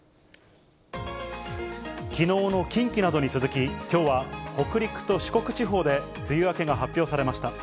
きのうの近畿などに続き、きょうは北陸と四国地方で梅雨明けが発表されました。